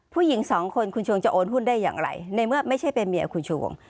ผู้หญิงสองคนคุณชวงจะโอนหุ้นได้อย่างไรในเมื่อไม่ใช่เป็นเมียคุณชวง